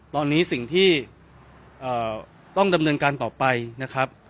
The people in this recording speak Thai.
ตอนนี้สิ่งที่ต้องดำเนินการต่อไปนะครับ